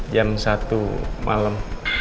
jam satu malem